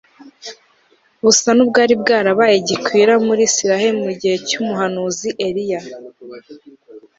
busa nubwari bwarabaye gikwira muri Isirayeli mu gihe cyumuhanuzi Eliya